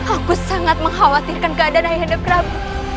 aku sangat mengkhawatirkan keadaan ayah handa prabu